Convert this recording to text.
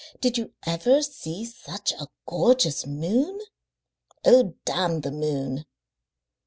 Did you ever see such a gorgeous moon?" "Oh, damn the moon!"